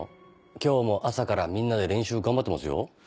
今日も朝からみんなで練習頑張ってますよ。